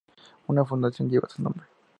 Una fundación lleva su nombre.